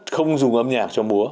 không dùng âm nhạc cho mùa